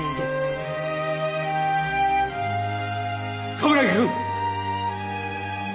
冠城くん！